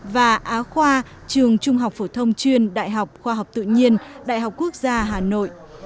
và á khoa trường trung học phổ thông chuyên đại học khoa học tự nhiên đại học quốc gia hà nội